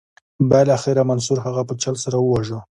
بالاخره منصور هغه په چل سره وواژه.